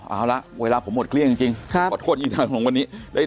เอาละเวลาผมหมดเกลี้ยงจริงขอโทษอีกทางของวันนี้